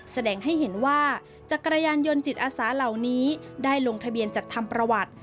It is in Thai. แสดงให้เห็นว่าจักรยานยนต์จิตอาสาเหล่านี้ได้ลงทะเบียนจัดทำประวัติ